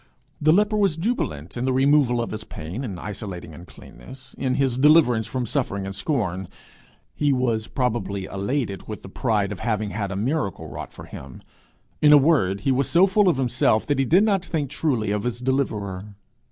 The leper was jubilant in the removal of his pain and isolating uncleanness, in his deliverance from suffering and scorn; he was probably elated with the pride of having had a miracle wrought for him. In a word, he was so full of himself that he did not think truly of his deliverer.